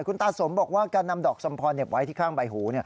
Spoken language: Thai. คุณตาสมบอกว่าการนำดอกสมพรเห็บไว้ที่ข้างใบหู